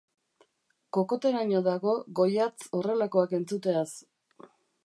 Kokoteraino dago Goiatz horrelakoak entzuteaz.